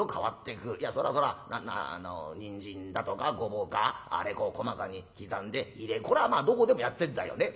いやそらそらにんじんだとかごぼうかあれこう細かに刻んで入れこれはまあどこでもやってんだよね。